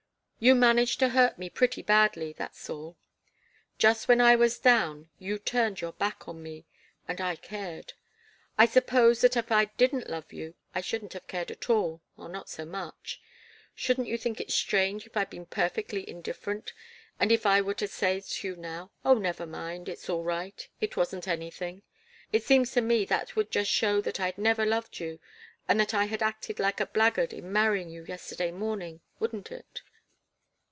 You managed to hurt me pretty badly, that's all. Just when I was down, you turned your back on me, and I cared. I suppose that if I didn't love you, I shouldn't have cared at all, or not so much. Shouldn't you think it strange if I'd been perfectly indifferent, and if I were to say to you now 'Oh, never mind it's all right it wasn't anything'? It seems to me that would just show that I'd never loved you, and that I had acted like a blackguard in marrying you yesterday morning. Wouldn't it?"